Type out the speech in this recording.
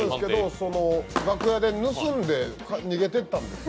楽屋で盗んで逃げていったんですよ。